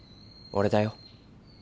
俺だよ。